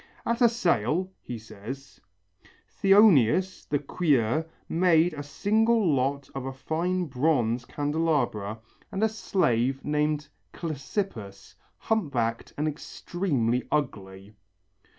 "At a sale," he says, "Theonius, the crieur, made a single lot of a fine bronze candelabra, and a slave named Clesippus, humpbacked and extremely ugly.